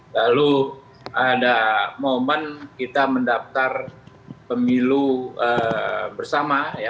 lalu ada momen kita mendaftar pemilu bersama